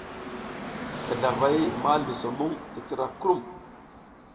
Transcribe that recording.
Gazlavay ma luso muŋ tətra krum.